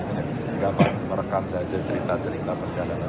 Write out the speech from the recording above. tidak apa apa merekam saja cerita cerita perjalanan